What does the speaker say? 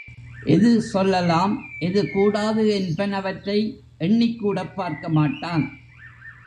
எது சொல்லலாம் எது கூடாது என்பனவற்றை எண்ணிக்கூடப் பார்க்க மாட்டான்.